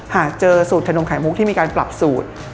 หากเจอสูตรขนมไข่มุกที่มีการปรับสูตร